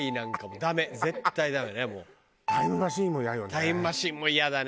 タイムマシーンもイヤだね。